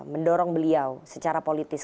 mendorong beliau secara politis